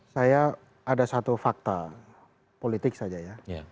saya ada satu fakta politik saja ya